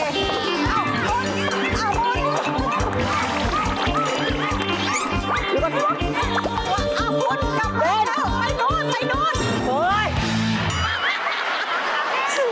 อาฮุ้นกลับมาแล้วไปนู้น